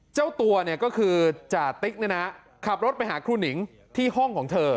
เจ้าตัวเนี่ยก็คือจ่าติ๊กเนี่ยนะขับรถไปหาครูหนิงที่ห้องของเธอ